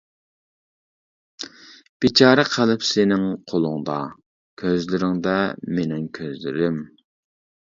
بىچارە قەلب سېنىڭ قولۇڭدا، كۆزلىرىڭدە مېنىڭ كۆزلىرىم.